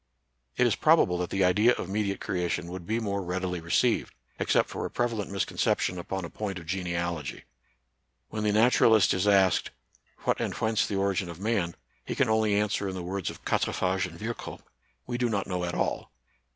* It is probable that the idea of mediate crea tion would be more readily received, except for a prevalent misconception upon a point' of ge nealogy. When the naturalist is asked, what and whence the origin of man, he can only an swer in the words of Quatrefages and Virchow, " We do not know at all."